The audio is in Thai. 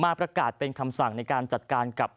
ประกาศเป็นคำสั่งในการจัดการกับ